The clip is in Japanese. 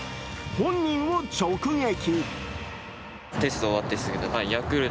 本人を直撃。